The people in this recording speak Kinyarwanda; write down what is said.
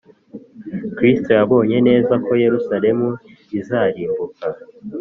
kristo yabonye neza ko yerusalemu izarimbuka